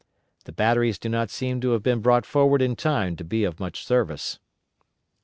The batteries do not seem to have been brought forward in time to be of much service.